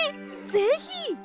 ぜひ！